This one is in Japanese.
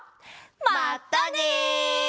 まったね！